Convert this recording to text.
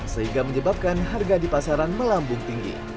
sehingga menyebabkan harga di pasaran melambung tinggi